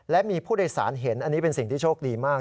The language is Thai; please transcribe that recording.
และมีผู้โดยสารเห็นอันนี้เป็นสิ่งที่โชคดีมาก